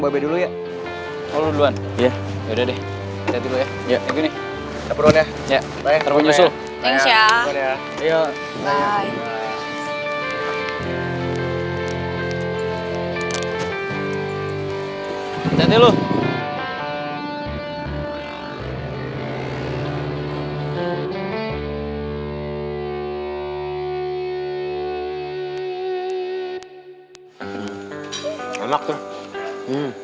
hai enak enak ini apa teh